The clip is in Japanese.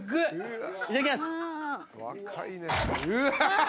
いただきます。